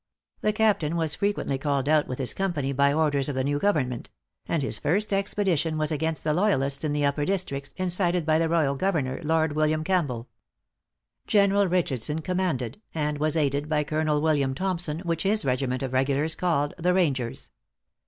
The captain was frequently called out with his company by order of the new government; and his first expedition was against the loyalists in the upper districts, incited by the royal governor, Lord William Campbell. General Richardson commanded, and was aided by Colonel William Thompson which his regiment of regulars called the Rangers.